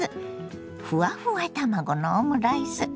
ふわふわ卵のオムライス